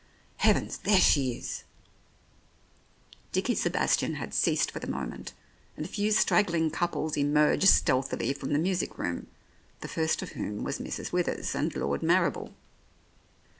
Heavens ! There she is !" Dickie Sebastian had ceased for the moment, and a few straggling couples emerged stealthily from the music room, the first of whom was Mrs. Withers and Lord Marrible.